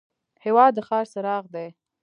هېواد د ښار څراغ دی.